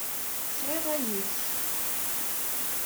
Sɛiɣ ayis.